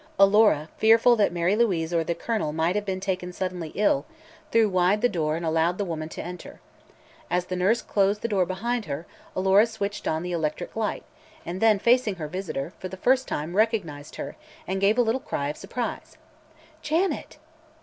Alora, fearful that Mary Louise or the Colonel might have been taken suddenly ill, threw wide the door and allowed the woman to enter. As the nurse closed the door behind her Alora switched on the electric light and then, facing her visitor, for the first time recognized her and gave a little cry of surprise. "Janet!"